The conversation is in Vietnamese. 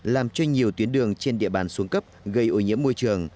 làm cho nhiều tuyến đường trên địa bàn xuống cấp gây ô nhiễm môi trường